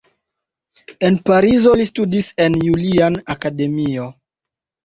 En Parizo li studis en "Julian Akademio".